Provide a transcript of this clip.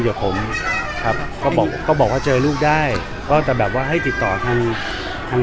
ยังครับยังไม่ได้เจอเลยครับแต่ว่าพี่หนุ่มให้ให้เจอแล้ว